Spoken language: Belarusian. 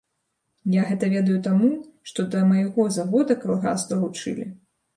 Я гэты ведаю таму, што да майго завода калгас далучылі.